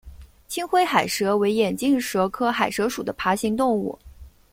青灰海蛇为眼镜蛇科海蛇属的爬行动物。